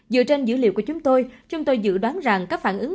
dựa trên dữ liệu của chúng tôi chúng tôi dự đoán rằng các phản ứng